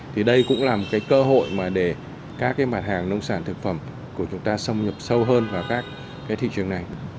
thì đây cũng là một cơ hội để các mặt hàng nông sản thực phẩm của chúng ta xâm nhập sâu hơn vào các thị trường này